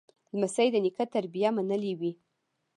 لمسی د نیکه تربیه منلې وي.